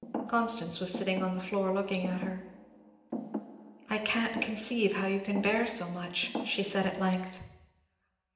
Constance was sitting on the floor looking at her. "I can't conceive how you can bear so much," she said at length.